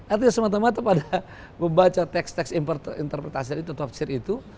artinya semata mata pada membaca teks teks interpretasi itu tafsir itu